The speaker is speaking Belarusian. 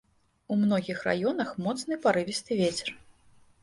У многіх раёнах моцны парывісты вецер.